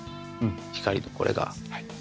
光のこれが。